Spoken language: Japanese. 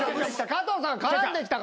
加藤さんが絡んできたから。